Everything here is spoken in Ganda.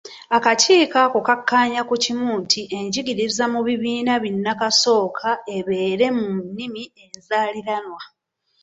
Akakiiko ako kakkaanya ku kimu nti enjigiriza mu bibiina binnakasooka ebeere mu nnimi enzaaliranwa.